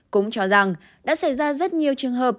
cũng cho rằng đã xảy ra rất nhiều trường hợp